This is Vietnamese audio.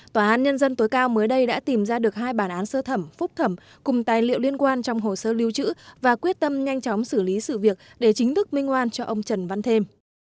tòa án nhân dân tối cao mới đây đã tìm ra được hai bản án sơ thẩm phúc thẩm cùng tài liệu liên quan trong hồ sơ lưu trữ và quyết tâm nhanh chóng xử lý sự việc để chính thức minh oan cho ông trần văn thêm